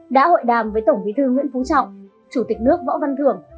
đã hội đàm với tổng bí thư nguyễn phú trọng chủ tịch nước võ văn thưởng